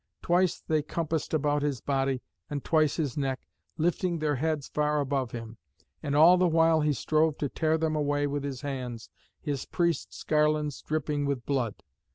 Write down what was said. Twice they compassed about his body, and twice his neck, lifting their heads far above him. And all the while he strove to tear them away with his hands, his priest's garlands dripping with blood.